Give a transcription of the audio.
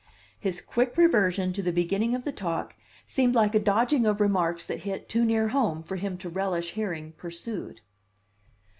His quick reversion to the beginning of the talk seemed like a dodging of remarks that hit too near home for him to relish hearing pursued.